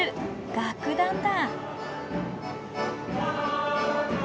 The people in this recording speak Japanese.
楽団だ。